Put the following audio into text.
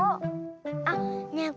あっねえ